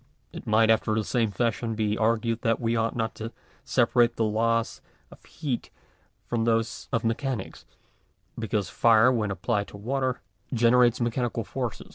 It might after the same fashion be argued that we ought not to separate the laws of heat from those of mechanics, because fire when applied to water gene rates mechanical force.